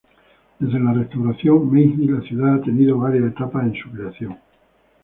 Desde la restauración Meiji la ciudad ha tenido varias etapas en su creación.